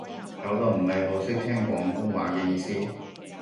搞到唔係好識聽廣東話嘅意思